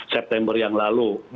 september yang lalu